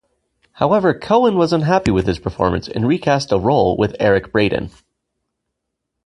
However Cohen was unhappy with his performance and recast the role with Eric Braeden.